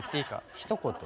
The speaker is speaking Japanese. ひと言？